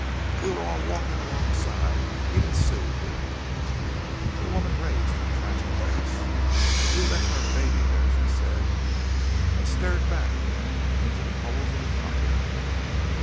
We were all walking alongside; even Sue, here." The woman raised her tragic face. "We left our baby there," she said; and stared back again into the coals of the fire.